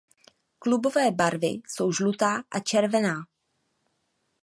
Klubové barvy jsou žlutá a červená.